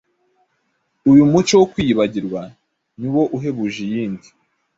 uyu muco wo kwiyibagirwa ni wo uhebuje indi,